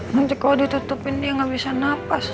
kalau ditutup dia tidak bisa nafas